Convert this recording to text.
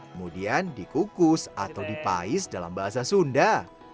kemudian dikukus atau dipais dalam bahasa sunda